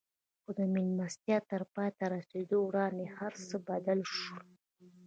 خو د مېلمستيا تر پای ته رسېدو وړاندې هر څه بدل شول.